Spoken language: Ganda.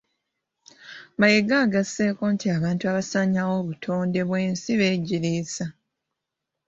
Mayiga agasseeko nti abantu abasaanyaawo obutonde bw'ensi beegiriisa